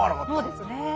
そうですね。